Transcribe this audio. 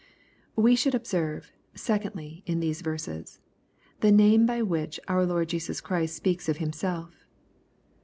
We should observe, secondly, in these verses, the name hy which our Lord Jesus Christ speaks of Himself.